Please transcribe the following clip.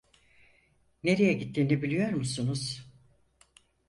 Nereye gittiğini biliyor musunuz?